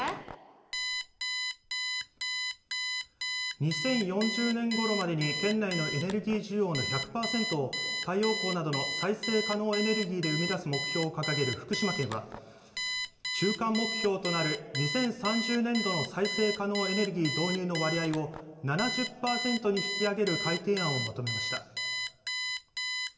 ２０４０年ごろまでに県内のエネルギー需要の１００パーセントを太陽光などの再生可能エネルギーで生み出す目標を掲げる福島県は中間目標となる２０３０年度の再生可能エネルギーの導入の割合を７０パーセントに引き上げる改定案を求めました。